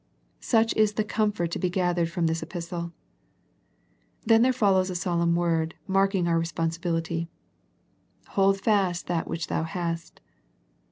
Such is the comfort to be gathered from this epistle. Then there follows a solemn word, marking our responsibility " Hold fast that which thou hast."